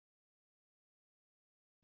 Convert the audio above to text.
সকালে হাটা বাচ্চার জন্য জরুরি।